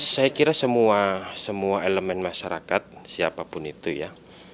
saya kira semua elemen masyarakat siapapun itu ya